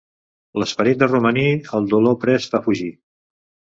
L'esperit de romaní, el dolor prest fa fugir.